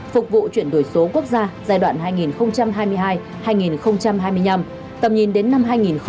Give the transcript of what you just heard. phục vụ chuyển đổi số quốc gia giai đoạn hai nghìn hai mươi hai hai nghìn hai mươi năm tầm nhìn đến năm hai nghìn ba mươi